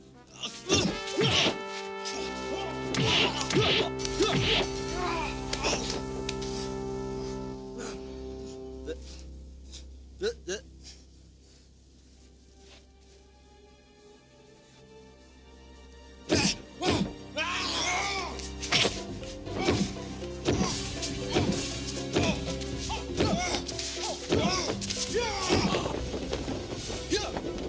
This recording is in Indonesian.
kalau nggak bisa mereka paham hatiku